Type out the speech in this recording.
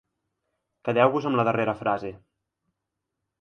Quedeu-vos amb la darrera frase.